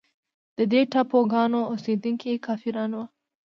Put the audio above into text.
د دې ټاپوګانو اوسېدونکي کافران وه.